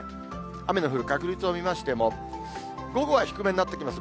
雨の降る確率を見ましても、午後は低めになってきます。